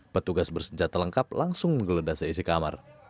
petugas bersenjata lengkap langsung menggeledah seisi kamar